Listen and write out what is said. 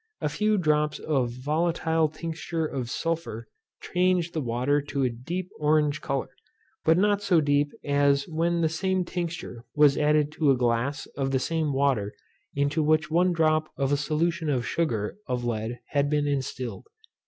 A few drops of vol. tincture of sulphur changed the water to a deep orange colour, but not so deep as when the same tincture was added to a glass of the same water, into which one drop of a solution of sugar of lead had been instilled.